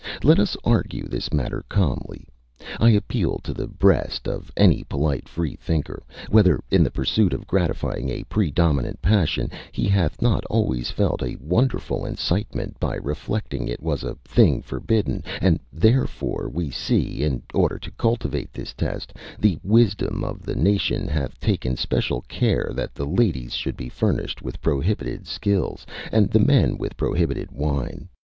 Let us argue this matter calmly. I appeal to the breast of any polite Free thinker, whether, in the pursuit of gratifying a pre dominant passion, he hath not always felt a wonderful incitement, by reflecting it was a thing forbidden; and therefore we see, in order to cultivate this test, the wisdom of the nation hath taken special care that the ladies should be furnished with prohibited silks, and the men with prohibited wine.